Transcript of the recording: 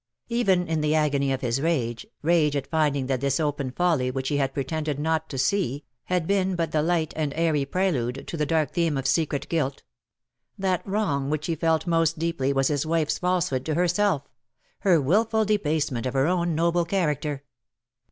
Even in the agony of his rage — rage at finding that this open folly, which he had pretended not to see, had been but the light and airy prelude to the dark theme of secret guilt — that wrong which he felt most deeply was his wife^s falsehood to herself AND SUCH DEADLY FRUIT/'' 229 — her wilful debasement of her own noble charac ter.